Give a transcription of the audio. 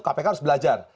kpk harus belajar